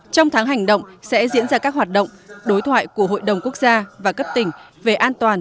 trong tháng hành động sẽ diễn ra các hoạt động đối thoại của hội đồng quốc gia và cấp tỉnh về an toàn